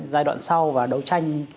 giai đoạn sau và đấu tranh